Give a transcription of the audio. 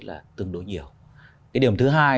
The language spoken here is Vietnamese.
là tương đối nhiều cái điểm thứ hai